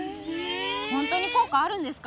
本当に効果あるんですか？